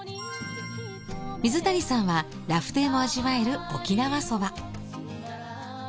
水谷さんはラフテーも味わえる沖縄そば。